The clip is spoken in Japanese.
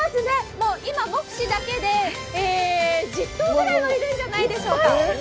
もう今、目視だけで１０頭ぐらいはいるんじゃないでしょうか。